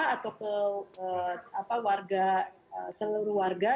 atau ke seluruh warga